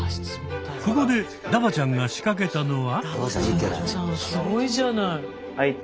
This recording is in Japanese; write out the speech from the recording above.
ここでダバちゃんが仕掛けたのは。